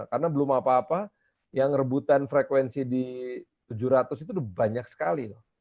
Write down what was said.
karena belum apa apa yang rebutan frekuensi di tujuh ratus itu banyak sekali